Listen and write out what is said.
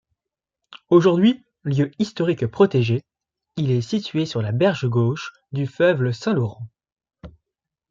Aujourd’hui lieu historique protégé, il est situé sur la berge gauche du fleuve Saint-Laurent.